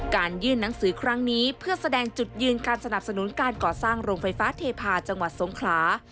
ยื่นหนังสือครั้งนี้เพื่อแสดงจุดยืนการสนับสนุนการก่อสร้างโรงไฟฟ้าเทพาะจังหวัดสงขลา